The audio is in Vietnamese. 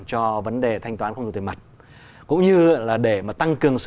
cho vấn đề thanh toán không dùng tiền mặt